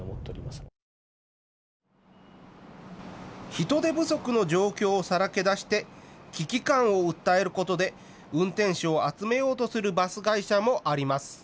人手不足の状況をさらけ出して危機感を訴えることで運転手を集めようとするバス会社もあります。